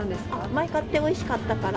前買っておいしかったから。